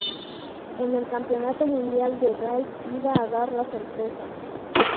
En el Campeonato Mundial de Raid iba a dar la sorpresa.